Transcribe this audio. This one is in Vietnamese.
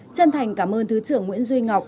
chân thành cảm ơn thứ trưởng nguyễn duy ngọc